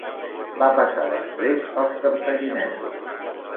Va passar després als cartaginesos.